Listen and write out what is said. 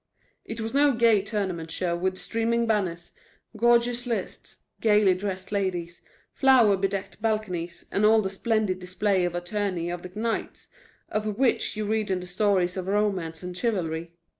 It was no gay tournament show with streaming banners, gorgeous lists, gayly dressed ladies, flower bedecked balconies, and all the splendid display of a tourney of the knights, of which you read in the stories of romance and chivalry.